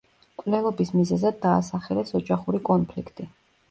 მკვლელობის მიზეზად დაასახელეს ოჯახური კონფლიქტი.